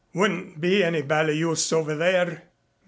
Wouldn't be any bally use over there.